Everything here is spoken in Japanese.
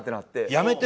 やめて！